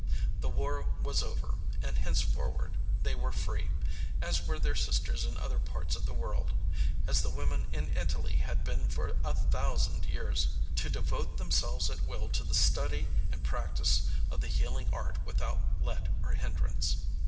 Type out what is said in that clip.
The war was over and henceforward they were free as were their sisters in other parts of the world as the women in Italy had been for a thousand years to devote themselves at will to the study and practice of the healing art without let or hindrance.